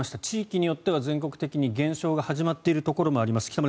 地域によっては全国的に減少が始まっているところもあります。